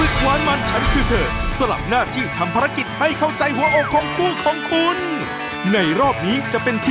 ใครชนะรับไปเลย๒หัวใจ